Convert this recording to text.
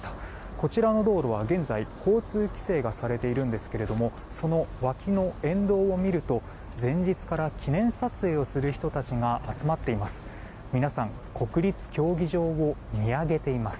こちらの道路は現在交通規制がされているんですがその脇の沿道を見ると前日から記念撮影をする人たちが集まっています。